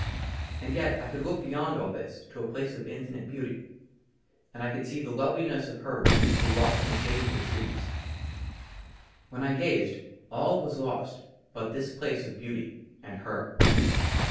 AND YET I COULD LOOK BEYOND ALL THIS, TO A PLACE OF INFINITE BEAUTY ; AND I COULD SEE THE LOVELINESS OF HER WHO WALKED IN THE SHADE OF THE TREES. WHEN I GAZED, ALL WAS LOST BUT THIS PLACE OF BEAUTY AND HER.